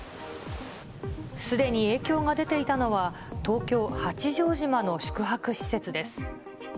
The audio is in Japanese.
すでに影響が出ていたのは、東京・八丈島の宿泊施設です。